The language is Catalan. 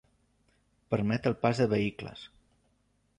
Permet el pas de vehicles.